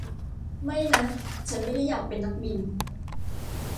ไม่นะฉันไม่ได้อยากเป็นนักบิน